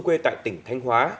quê tại tỉnh thanh hóa